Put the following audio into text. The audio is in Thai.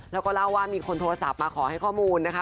แล้วก็เล่าว่ามีคนโทรศัพท์มาขอให้ข้อมูลนะคะ